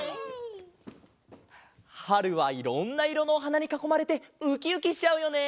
はるはいろんないろのおはなにかこまれてウキウキしちゃうよね。